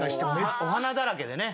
お花だらけでね。